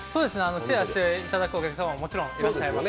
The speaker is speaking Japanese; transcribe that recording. シェアしていただくお客様ももちろんいらっしゃいます。